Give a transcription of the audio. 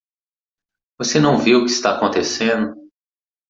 Você não vê o que está acontecendo?